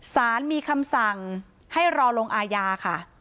สารมีคำสั่งให้รอลงอาญาค่ะ